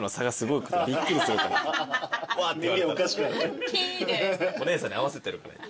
お姉さんに合わせてる。